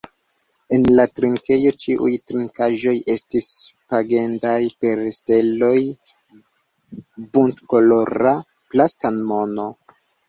En la trinkejo ĉiuj trinkaĵoj estis pagendaj per steloj, buntkolora plasta mono.